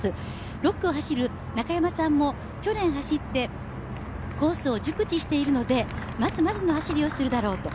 ６区を走る中山さんも去年走ってコースを熟知しているのでまずまずの走りをするだろうと。